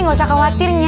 nggak usah khawatirnya nya